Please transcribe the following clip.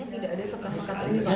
tidak ada sekat sekatan di rumah